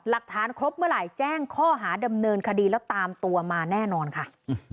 หลักฐานครบเมื่อไหร่แจ้งข้อหาดำเนินคดีแล้วตามตัวมาแน่นอนค่ะ